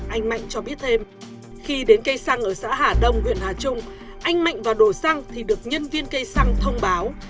anh mạnh cho biết thêm khi đến cây xăng ở xã hà đông huyện hà trung anh mạnh vào đổ xăng thì được nhân viên cây xăng thông báo